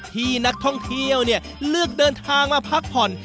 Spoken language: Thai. ที่นักท่องเที่ยวเลือกเดินทางมาพักผ่อน